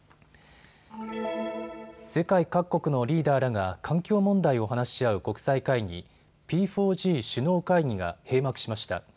世界各国のリーダーらが環境問題を話し合う国際会議、Ｐ４Ｇ首脳会議が閉幕しました。